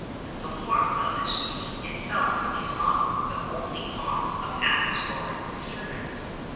But the warmth of the stream itself is not the only cause of atmospheric disturbance.